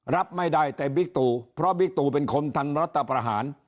รับไม่ได้แต่บิ๊กตู่เพราะบิ๊กตูเป็นคนทำรัฐประหาร